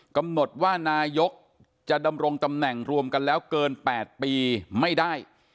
กำหนดว่านายกจะดำรงตำแหน่งรวมกันแล้วเกิน๘ปีไม่ได้